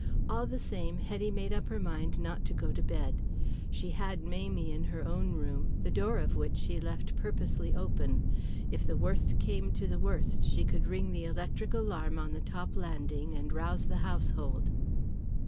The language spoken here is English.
All the same, Hetty made up her mind not to go to bed. She had Mamie in her own room, the door of which she left purposely open. If the worst came to the worst she could ring the electric alarm on the top landing and rouse the household.